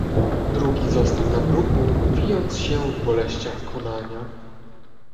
"Drugi został na bruku, wijąc się w boleściach konania."